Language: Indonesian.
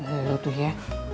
eh lo tuh ya